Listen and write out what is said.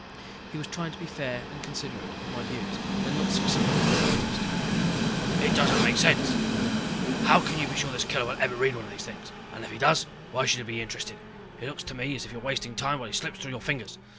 He was trying to be fair and considerate of my views, and not succeeding in the slightest. "It doesn't make sense," he growled. "How can you be sure this killer will ever read one of these things. And if he does why should he be interested? It looks to me as if you are wasting time while he slips through your fingers.